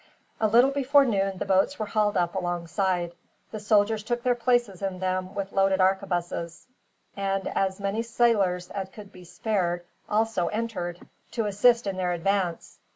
A little before noon the boats were hauled up alongside, the soldiers took their places in them with loaded arquebuses, and as many sailors as could be spared also entered, to assist in their advance.